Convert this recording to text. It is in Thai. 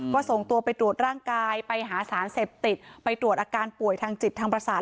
ก็ส่งตัวไปตรวจร่างกายไปหาสารเสพติดไปตรวจอาการป่วยทางจิตทางประสาท